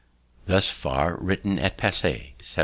[Thus far written at Passy, 1784.